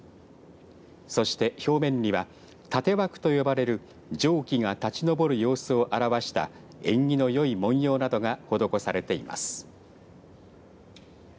そして表面には立涌と呼ばれる蒸気が立ち上る様子を表した縁起のよい文様などが施されています。